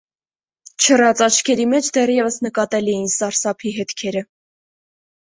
Չռած աչքերի մեջ դեռևս նկատելի էին սարսափի հետքերը: